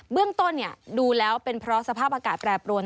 เรื่องต้นดูแล้วเป็นเพราะสภาพอากาศแปรปรวน